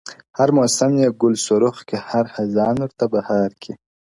• هر موسم یې ګل سرخ کې هر خزان ورته بهار کې -